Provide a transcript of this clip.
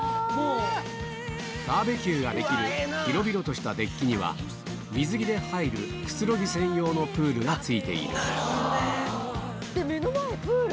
バーベキューができる広々としたデッキには水着で入るくつろぎ専用のプールが付いている目の前プール？